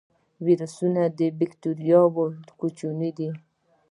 ویروسونه تر بکتریاوو کوچني دي